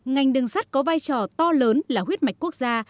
ngành đường sắt có vai trò to lớn là huyết mạch quốc gia